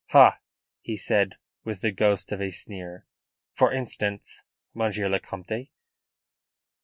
"Ha!" he said, with the ghost of a sneer. "For instance, Monsieur le Comte?"